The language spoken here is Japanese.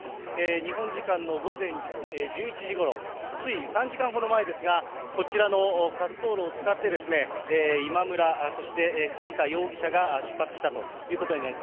日本時間の午前１１時ごろ、つい３時間ほど前ですが、こちらの滑走路を使って、今村、そして藤田容疑者が出発したということになります。